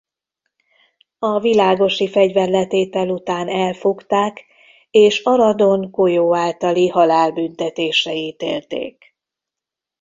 A világosi fegyverletétel után elfogták és Aradon golyó általi halálbüntetésre ítélték.